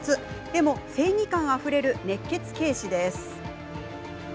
でも正義感あふれる熱血警視です。